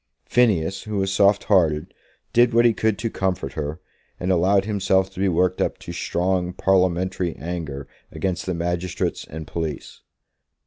Phineas, who was soft hearted, did what he could to comfort her, and allowed himself to be worked up to strong parliamentary anger against the magistrates and police.